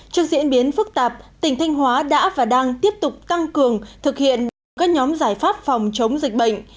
trước diễn biến phức tạp tỉnh thanh hóa đã và đang tiếp tục tăng cường thực hiện được các nhóm giải pháp phòng chống dịch bệnh